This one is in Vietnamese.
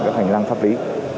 các hành lang pháp lý